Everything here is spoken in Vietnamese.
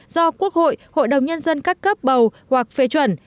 do quốc hội hội đồng nhân dân các cấp bầu hoặc phê chuẩn